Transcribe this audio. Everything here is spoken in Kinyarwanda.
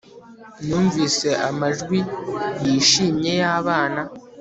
Numvise amajwi yishimye yabana